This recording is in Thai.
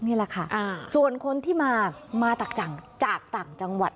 นี่แหละค่ะส่วนคนที่มามาจากต่างจังหวัด